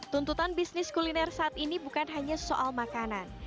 tuntutan bisnis kuliner saat ini bukan hanya soal makanan